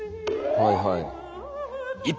はいはい。